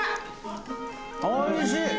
おいしい！